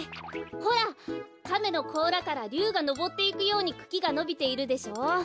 ほらかめのこうらからりゅうがのぼっていくようにくきがのびているでしょう。